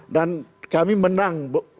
dan kami menang